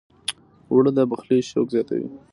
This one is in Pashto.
اوړه د پخلي شوق زیاتوي